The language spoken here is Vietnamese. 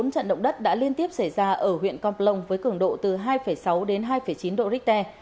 bốn trận động đất đã liên tiếp xảy ra ở huyện con plong với cường độ từ hai sáu đến hai chín độ richter